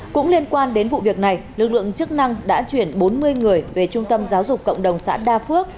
cũng liên quan đến vụ việc này lực lượng chức năng đã chuyển bốn mươi người về trung tâm giáo dục cộng đồng xã đa phước